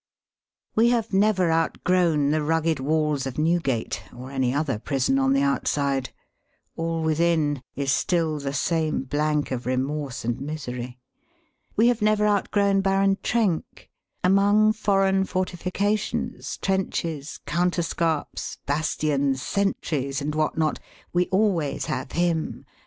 We have never outgrown the rugged walls of Newgate, or any other prison on the out side. All within, is still the same blank of remorse and misery. We have never out grown Baron Trenck, Among foreign forti fications, trenches, counterscarps, bastions, sentries, and what not, we always have him.